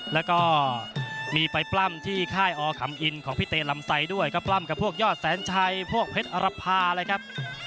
แล้วก็มีไปปล้ำที่ค่ายอขำอินของพี่เตลำไซดด้วยก็ปล้ำกับพวกยอดแสนชัยพวกเพชรอรภาเลยครับ